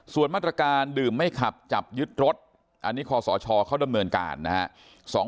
ส่วนมาตรการดื่มไม่ขับจับยึดรถอันนี้คอสชเขาดำเนินการนะฮะ